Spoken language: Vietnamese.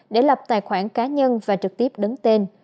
để lập tài khoản cá nhân và trực tiếp đứng tên